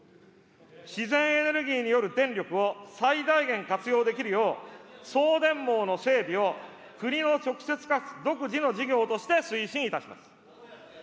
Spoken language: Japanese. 自然エネルギーによる電力を最大限活用できるよう、送電網の整備を国の直接かつ独自の事業として推進いたします。